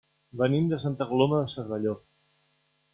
Venim de Santa Coloma de Cervelló.